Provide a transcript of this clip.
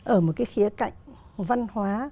ở một cái khía cạnh văn hóa